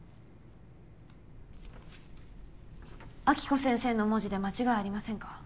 暁子先生の文字で間違いありませんか？